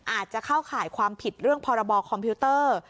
อาจจะเข้าข่ายความผิดเรื่องพรบคอมพิวเตอร์